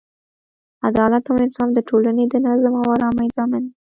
عدالت او انصاف د ټولنې د نظم او ارامۍ ضامن دی.